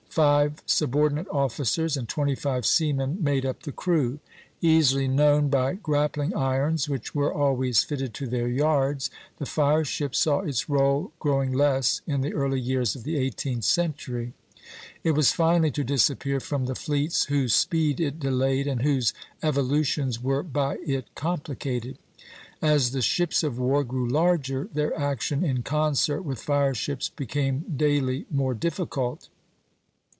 Five subordinate officers and twenty five seamen made up the crew. Easily known by grappling irons which were always fitted to their yards, the fire ship saw its rôle growing less in the early years of the eighteenth century. It was finally to disappear from the fleets whose speed it delayed and whose evolutions were by it complicated. As the ships of war grew larger, their action in concert with fire ships became daily more difficult.